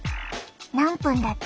何分だった？